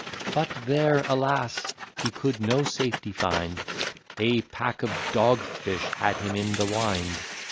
But there, alas! he could no safety find, A pack of dogfish had him in the wind.